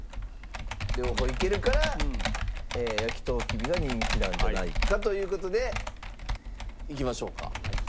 両方いけるから焼とうきびが人気なんじゃないかという事でいきましょうか。